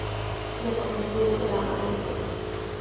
De profesión era maestro.